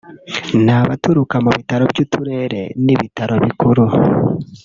ni abaturuka mu bitaro by’uturere n’ibitaro bikuru